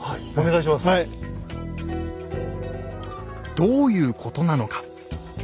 どういうことなのか。